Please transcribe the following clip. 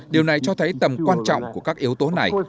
điều này cho thấy tầm quan trọng của các yếu tố này